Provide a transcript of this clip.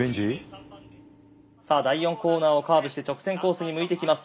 さあ第４コーナーをカーブして直線コースに向いていきます。